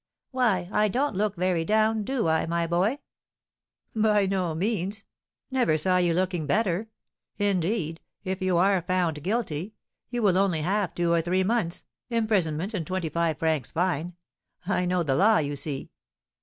"Why, I don't look very down, do I, my boy?" "By no means; never saw you looking better. Indeed, if you are found guilty, you will only have two or three months, imprisonment and twenty five francs fine. I know the law, you see!"